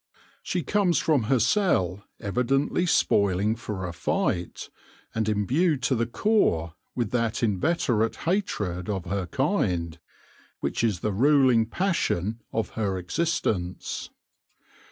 She comes from her cell evidently spoiling for a fight, and imbued to the core with that inveterate hatred of her kind which is the ruling passion of her existence.